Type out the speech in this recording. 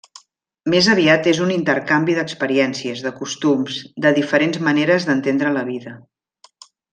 Més aviat és un intercanvi d'experiències, de costums, de diferents maneres d'entendre la vida.